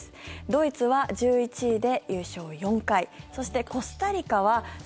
ドイツは１１位で優勝４回そして、コスタリカは